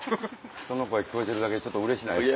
人の声聞こえてるだけでうれしないですか？